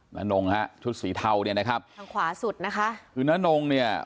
นานงฮะชุดสีเทาเนี่ยนะครับทางขวาสุดนะคะคือน้านงเนี่ย